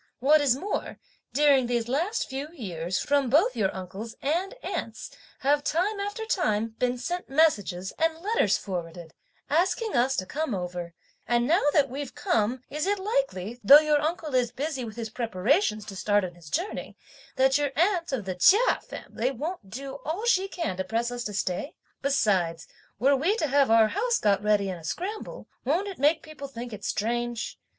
What is more, during these last few years from both your uncle's and aunt's have, time after time, been sent messages, and letters forwarded, asking us to come over; and now that we've come, is it likely, though your uncle is busy with his preparations to start on his journey, that your aunt of the Chia family won't do all she can to press us to stay? Besides, were we to have our house got ready in a scramble, won't it make people think it strange?